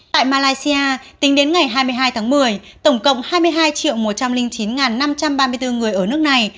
tại malaysia tính đến ngày hai mươi hai tháng một mươi tổng cộng hai mươi hai một trăm linh chín năm trăm ba mươi bốn người ở nước này